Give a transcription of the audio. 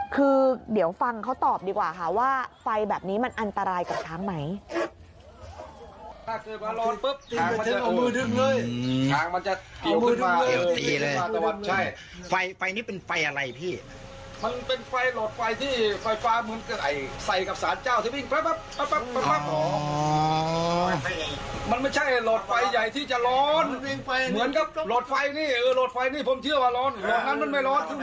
คือเดี๋ยวฟังเขาตอบดีกว่าค่ะว่าไฟแบบนี้มันอันตรายกับช้างไหม